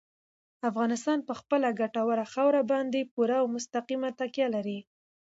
افغانستان په خپله ګټوره خاوره باندې پوره او مستقیمه تکیه لري.